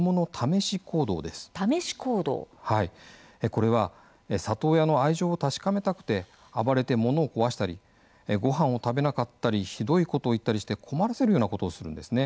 これは里親の愛情を確かめたくて暴れてものを壊したりごはんを食べなかったりひどいことを言ったりして困らせるようなことをするんですね。